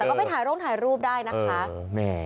แต่ก็ไปถ่ายร่มถ่ายรูปได้นะคะ